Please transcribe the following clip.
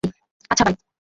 আচ্ছা, বাই।